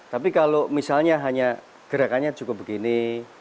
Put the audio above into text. tapi kalau misalnya hanya gerakannya cukup begini